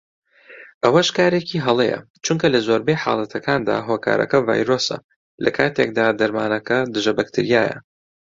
ئەوەش کارێکی هەڵەیە چونکە لە زۆربەی حاڵەتەکاندا هۆکارەکە ڤایرۆسە لەکاتێکدا دەرمانەکە دژە بەکتریایە